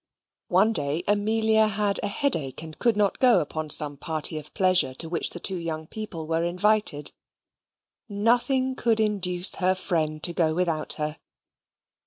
One day, Amelia had a headache, and could not go upon some party of pleasure to which the two young people were invited: nothing could induce her friend to go without her.